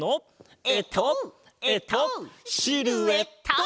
えっとえっとシルエット！